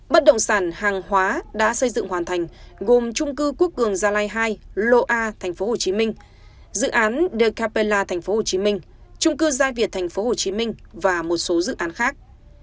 bất động sản hàng hóa đã xây dựng hoàn thành gồm trung cư quốc cường gia lai hai lộ a tp hcm dự án de capella tp hcm trung cư gia việt tp hcm và một số dự án khác